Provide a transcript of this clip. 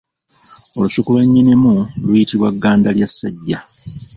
Olusuku lwa nnyinimu luyitibwa ggandalyassajja